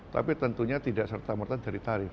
tapi tentunya tidak serta merta dari tarif